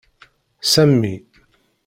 Sami.